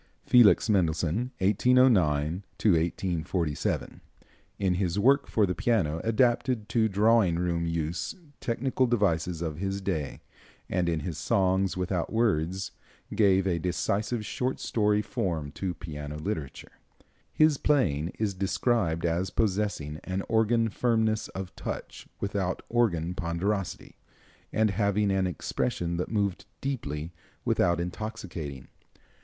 Felix Mendelssohn (1809 1847), in his work for the piano, adapted to drawing room use technical devices of his day, and in his "Songs without Words" gave a decisive short story form to piano literature. His playing is described as possessing an organ firmness of touch without organ ponderosity, and having an expression that moved deeply without intoxicating.